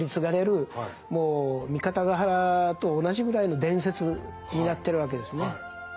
もう三方ヶ原と同じぐらいの伝説になってるわけですね。